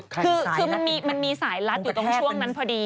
คือมันมีสายลัดอยู่ตรงช่วงนั้นพอดี